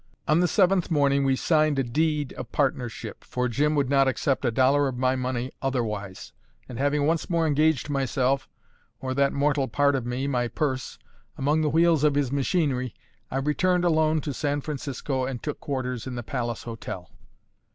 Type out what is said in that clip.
On the seventh morning we signed a deed of partnership, for Jim would not accept a dollar of my money otherwise; and having once more engaged myself or that mortal part of me, my purse among the wheels of his machinery, I returned alone to San Francisco and took quarters in the Palace Hotel.